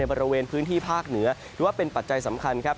บริเวณพื้นที่ภาคเหนือถือว่าเป็นปัจจัยสำคัญครับ